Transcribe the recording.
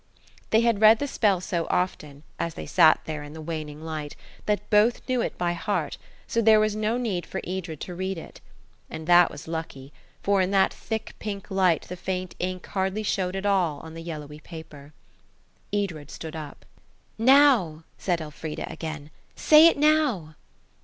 They had read the spell so often, as they sat there in the waning light, that both knew it by heart, so there was no need for Edred to read it. And that was lucky, for in that thick, pink light the faint ink hardly showed at all on the yellowy paper. Edred stood up. "Now!" said Elfrida, again. "Say it now."